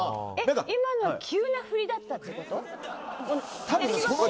今の急なふりだったってこと？